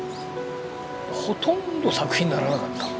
ほとんど作品にならなかった。